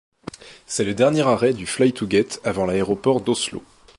C'est le dernier arrêt du Flytoget avant l'aéroport d'Oslo.